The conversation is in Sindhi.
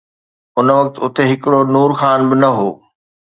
ان وقت اتي هڪڙو نور خان به نه هو.